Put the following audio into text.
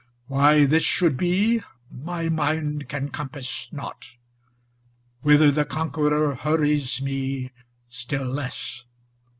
Why this should be, my mind can compass not; ' Whither the conqueror hurries me, still less.